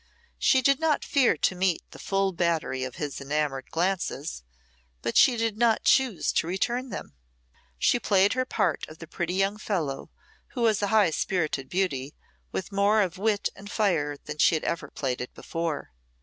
She did not fear to meet the full battery of his enamoured glances, but she did not choose to return them. She played her part of the pretty young fellow who was a high spirited beauty, with more of wit and fire than she had ever played it before.